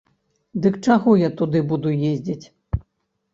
Дык чаго я туды буду ездзіць?